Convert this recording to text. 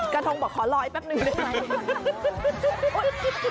ทงบอกขอลอยแป๊บนึงได้ไหม